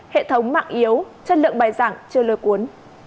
hệ thống mạng yếu chất lượng bài giảng chưa lôi cuốn